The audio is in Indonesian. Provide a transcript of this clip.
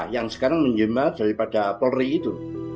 yang sekarang menjembat daripada polri itu